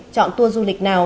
chọn tour du lịch nào